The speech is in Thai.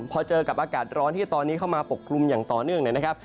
พอเจอกับอากาศร้อนที่ตอนนี้เข้ามาปกกลุ่มอย่างต่อเนื่องนะครับ